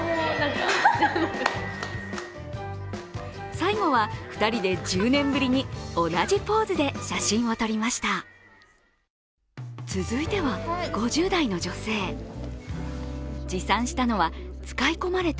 最後は２人で１０年ぶりに同じポーズで写真を撮りました。